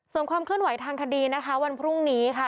ส่วนความเคลื่อนไหวทางคดีนะคะวันพรุ่งนี้ค่ะ